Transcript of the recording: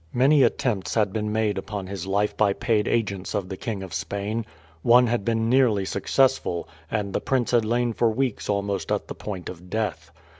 Many attempts had been made upon his life by paid agents of the King of Spain. One had been nearly successful, and the prince had lain for weeks almost at the point of death.